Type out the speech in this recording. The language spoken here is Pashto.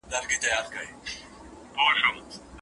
د ښوونکو د مسلکي ودې لپاره کوم ورکشاپونه جوړیږي؟